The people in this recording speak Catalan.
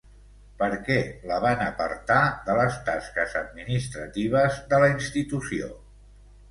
Per què la van apartar de les tasques administratives de la institució?